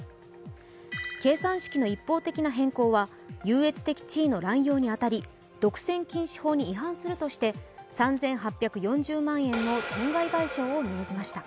計算式の一方的な変更は優越的地位の濫用に当たり独占禁止法に違反するとして３８４０万円の損害賠償を命じました。